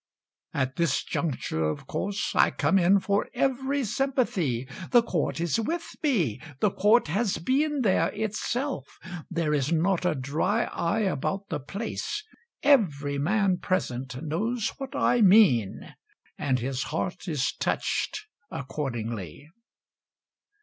At this juncture of course I come in for every sympathy: The Court is with me, The Court has been there itself; There is not a dry eye about the place, Every man present knows what I mean, And his heart is touched accordingly.